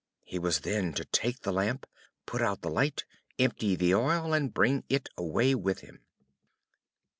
He was then to take the Lamp, put out the light, empty the oil, and bring it away with him.